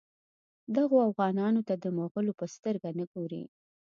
دغو اوغانانو ته د مغولو په سترګه نه ګوري.